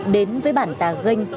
đến với bản tà ganh